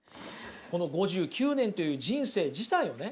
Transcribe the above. この５９年という人生自体をね